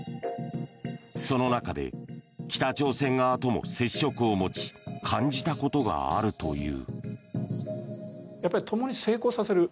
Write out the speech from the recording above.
その中で北朝鮮側とも接触を持ち感じたことがあるという。